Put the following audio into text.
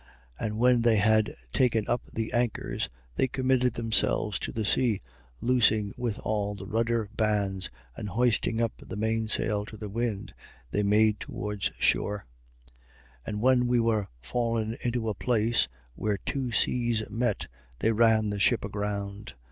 27:40. And when they had taken up the anchors, they committed themselves to the sea, loosing withal the rudder bands. And hoisting up the mainsail to the wind, they made towards shore. 27:41. And when we were fallen into a place where two seas met, they run the ship aground.